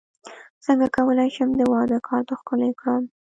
څنګه کولی شم د واده کارت ښکلی کړم